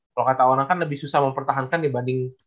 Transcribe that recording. kalau kata orang kan lebih susah mempertahankan dibanding